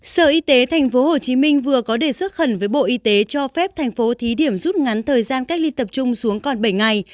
sở y tế tp hcm vừa có đề xuất khẩn với bộ y tế cho phép thành phố thí điểm rút ngắn thời gian cách ly tập trung xuống còn bảy ngày